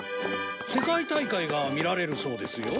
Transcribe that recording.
世界大会が見られるそうですよ。